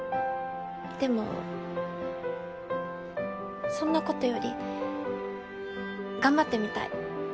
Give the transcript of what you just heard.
でもそんなことより頑張ってみたい。